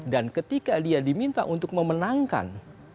dan ketika dia diminta untuk memenangkan